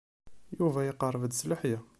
Yuba iqerreb-d s leḥya.